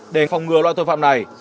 để phòng ngừa loại tội phạm này